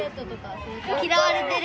嫌われてる。